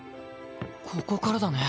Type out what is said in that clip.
ここからだね。